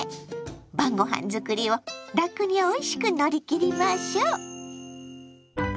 晩ごはん作りをラクにおいしく乗り切りましょう！